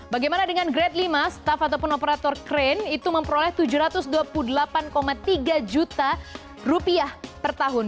bagaimana dengan grade lima staff ataupun operator krain itu memperoleh tujuh ratus dua puluh delapan tiga juta rupiah per tahun